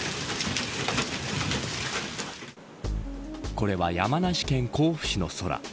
これは、山梨県甲府市の空。